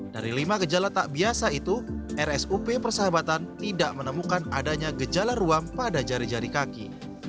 dari lima gejala tak biasa itu rsup persahabatan tidak menemukan adanya gejala ruam pada jari jari kaki